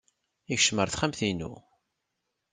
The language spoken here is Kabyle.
Yekcem ɣer texxamt-inu.